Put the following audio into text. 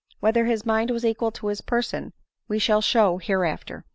Whether his mind was equal to his person we shall show hereafter.